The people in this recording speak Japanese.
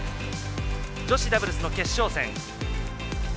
女子ダブルス決勝戦。